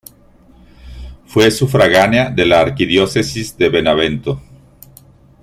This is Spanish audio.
Fue sufragánea de la arquidiócesis de Benevento.